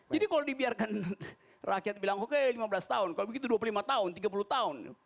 jadi kalau dibiarkan rakyat bilang oke lima belas tahun kalau begitu dua puluh lima tahun tiga puluh tahun